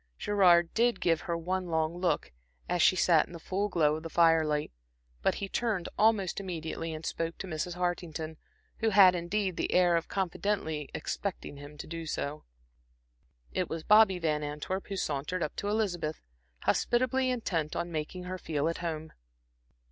Gerard did give her one long look, as she sat in the full glow of the firelight; but he turned almost immediately and spoke to Mrs. Hartington, who had, indeed, the air of confidently expecting him to do so. It was Bobby Van Antwerp who sauntered up to Elizabeth, hospitably intent on making her feel at home.